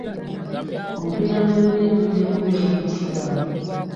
Omupiira gw'ebigere gujja kubeera mu kisaawe.